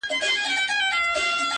دا دی د ژوند و آخري نفس ته ودرېدم ـ